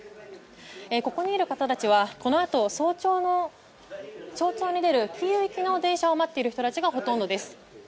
ここにいる方たちはこのあと早朝に出るキーウ行きの電車を待っている人たちがほとんどです。